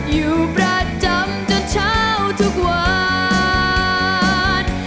อยู่ประจำจนเช้าทุกวัน